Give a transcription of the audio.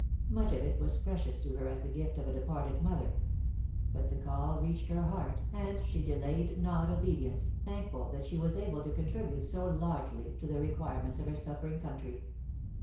Much of it was precious to her as the gift of a departed mother. But the call reached her heart, and she delayed not obedience, thankful that she was able to contribute so largely to the requirements of her suffering country.